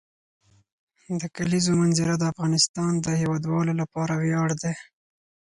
د کلیزو منظره د افغانستان د هیوادوالو لپاره ویاړ دی.